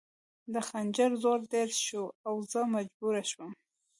د خنجر زور ډېر شو او زه مجبوره شوم